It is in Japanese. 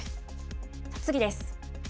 次です。